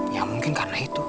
ya mungkin karena itu